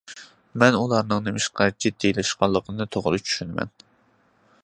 مەن ئۇلارنىڭ نېمىشقا جىددىيلىشىدىغانلىقىنى توغرا چۈشىنىمەن.